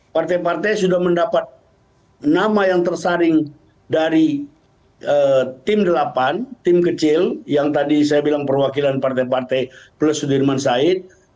partai partai sudah mendapat nama yang tersaring dari tim delapan tim kecil yang tadi saya bilang perwakilan partai partai plus sudirman said